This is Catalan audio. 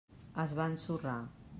Es va ensorrar.